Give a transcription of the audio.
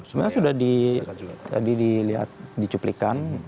sebenarnya sudah dilihat dicuplikan